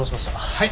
はい。